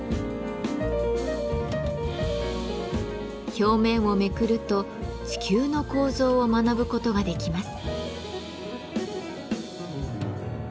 表面をめくると地球の構造を学ぶことができます。